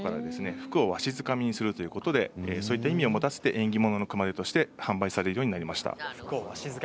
福をわしづかみにするということでそういう意味を持たせて縁起物として販売されるようになりました。